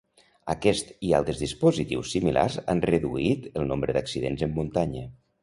Aquest i altres dispositius similars han reduït el nombre d'accidents en muntanya.